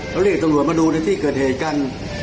แล้วเรียกตรวจมาดูได้ที่เกิดเหตุกัน